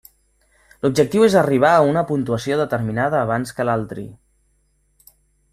L'objectiu és arribar a una puntuació determinada abans que l'altri.